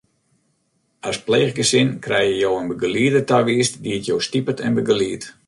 As pleechgesin krije jo in begelieder tawiisd dy't jo stipet en begeliedt.